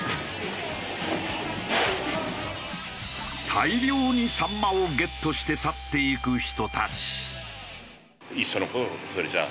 大量にサンマをゲットして去っていく人たち。